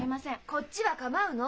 こっちは構うの！